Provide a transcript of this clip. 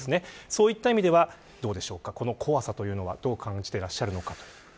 そういった意味ではこの怖さというのはどう感じていらっしゃるのか。